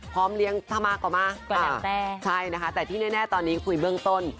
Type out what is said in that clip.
พร้อมเลี้ยงท่ามากกว่ามากว่าแหล่งแต้ใช่นะคะแต่ที่แน่ตอนนี้คุยเบื้องต้น